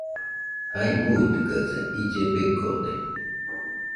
Jai buitɨkaɨsa , ille begode.